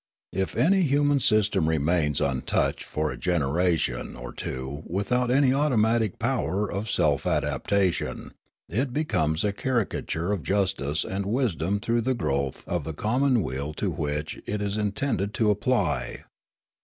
If any human system remains untouched for a generation or two without any automatic power of self adaptation, it becomes a caricature of justice and wisdom through the growth of the commonweal to which it is intended to apply.